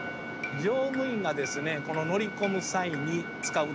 乗務員がですね乗り込む際に使う取っ手。